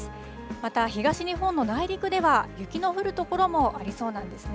また東日本の内陸では、雪の降る所もありそうなんですね。